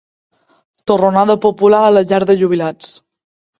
Torronada popular a la llar de jubilats.